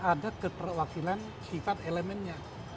ada keterwakilan sifat elemennya